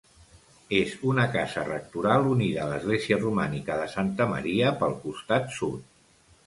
És una casa rectoral unida a l'església romànica de Santa Maria pel costat sud.